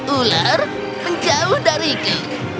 ular menjauh dariku